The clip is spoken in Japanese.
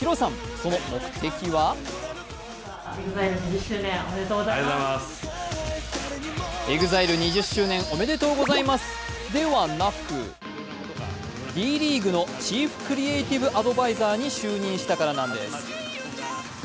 その目的はＥＸＩＬＥ２０周年おめでとうございますではなく、Ｄリーグのチーフクリエーティブアドバイザーに就任したからなんです。